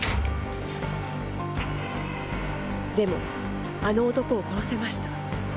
でもあの男を殺せました。